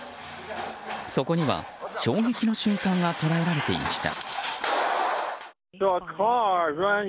そこには、衝撃の瞬間が捉えられていました。